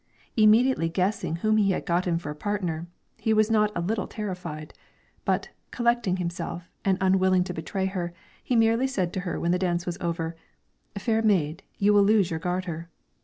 Immediately guessing whom he had gotten for a partner, he was not a little terrified; but, collecting himself, and unwilling to betray her, he merely said to her when the dance was over: "Fair maid, you will lose your garter."